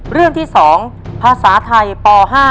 เรื่องที่๒ภาษาไทยป๕